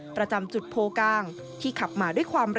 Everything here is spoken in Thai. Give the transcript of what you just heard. ประจำจุดโพกลางที่ขับมาด้วยความเร็ว